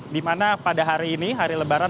di mana pada hari ini hari lebaran